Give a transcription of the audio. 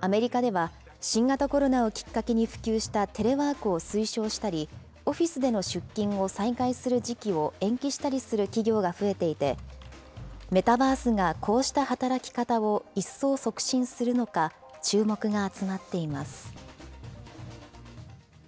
アメリカでは、新型コロナをきっかけに普及したテレワークを推奨したり、オフィスでの出勤を再開する時期を延期したりする企業が増えていて、メタバースがこうした働き方を一層促進するのか、注目が集まっています。